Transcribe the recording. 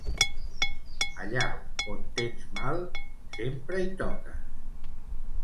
Allà on tens mal, sempre hi toques.